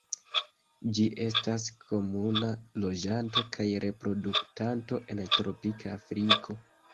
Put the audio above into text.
Ĝi estas komuna loĝanto kaj reproduktanto en tropika Afriko.